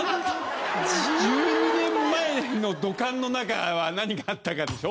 １２年前の土管の中は何かでしょ？